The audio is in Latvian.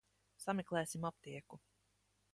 Sameklēsim aptieku.